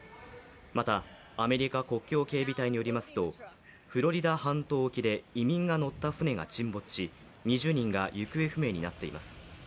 また、アメリカ国境警備隊によりますとフロリダ半島沖で移民が乗った船が沈没し２０人が行方不明になっています。